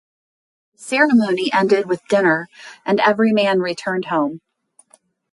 The ceremony ended with dinner, and every man returned home.